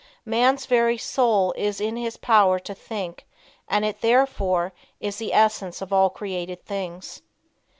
Man's very soul is in his power to think, and it, therefore, is the essence of all created things.